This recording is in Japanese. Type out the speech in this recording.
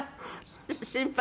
心配。